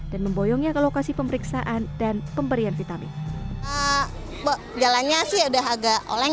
dan memboyongnya ke lokasi penjaja bersama kucing kucing yang diajarkan oleh kucing minha jadi warga yang seketika mendapati seekor kucing liar mengalami kejang kejang